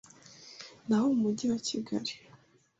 ni abo mu mujyi wa Kigali